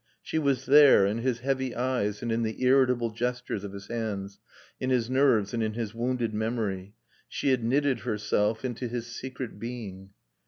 She was there, in his heavy eyes and in the irritable gestures of his hands, in his nerves and in his wounded memory. She had knitted herself into his secret being.